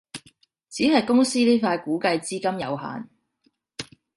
只係公司呢塊估計資金有限